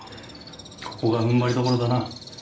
ここが踏ん張りどころだな。